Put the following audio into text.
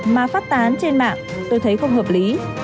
mà phát tán trên mạng tôi thấy không hợp lý